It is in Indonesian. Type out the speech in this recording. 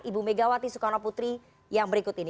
ibu megawati soekarno putri yang berikut ini